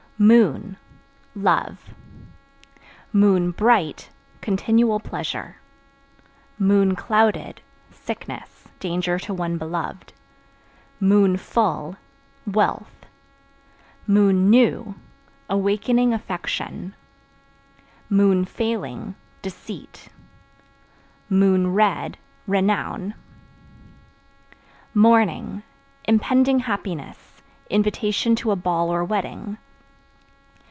Moon Love; (bright) continual pleasure; (clouded) sickness, danger to one beloved; (full) wealth; (new) awakening affection; (failing) deceit; (red) renown. Mourning Impending happiness, invitation to a ball or wedding.